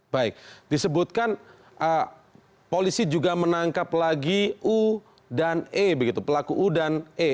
baik disebutkan polisi juga menangkap lagi u dan e begitu pelaku u dan e